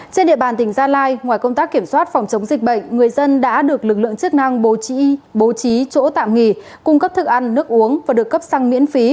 trên địa bàn tỉnh gia lai ngoài công tác kiểm soát phòng chống dịch bệnh người dân đã được lực lượng chức năng bố trí chỗ tạm nghỉ cung cấp thức ăn nước uống và được cấp sang miễn phí